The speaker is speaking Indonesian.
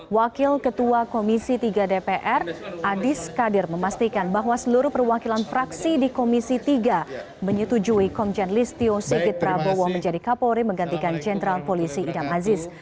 wakil ketua komisi tiga dpr adis kadir memastikan bahwa seluruh perwakilan fraksi di komisi tiga menyetujui komjen listio sigit prabowo menjadi kapolri menggantikan jenderal polisi idam aziz